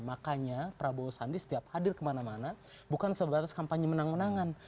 makanya prabowo sandi setiap hadir kemana mana bukan sebatas kampanye menang menangan